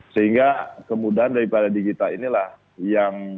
sehingga kemudahan daripada digital inilah yang menjadi ruang komunikasi